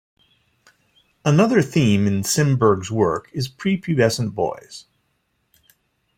Another theme in Simberg's work is pre-pubescent boys.